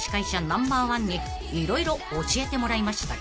ナンバーワンに色々教えてもらいました］